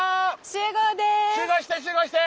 集合して集合して！